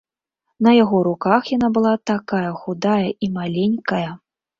На яго руках яна была такая худая і маленькая!